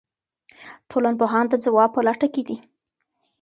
ټولنپوهان د ځواب په لټه کې دي.